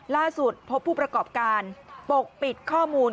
ล่าสุดพบผู้ประกอบการณ์ปกปิดข้อมูล